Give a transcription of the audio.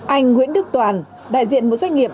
anh nguyễn đức toàn đại diện một doanh nghiệp